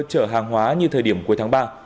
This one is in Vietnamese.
chở hàng hóa như thời điểm cuối tháng ba